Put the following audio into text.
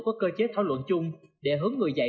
có cơ chế thảo luận chung để hướng người dạy